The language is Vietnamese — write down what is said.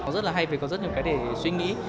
rất là hay vì có rất nhiều cái để suy nghĩ